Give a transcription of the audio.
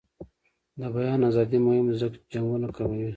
د بیان ازادي مهمه ده ځکه چې جنګونه کموي.